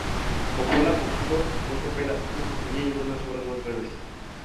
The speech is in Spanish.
Coppola compuso dos óperas, una sinfonía y algunas obras más breves.